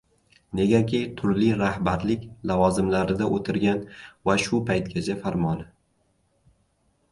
Negaki turli rahbarlik lavozimlarida o‘tirgan va shu paytgacha farmoni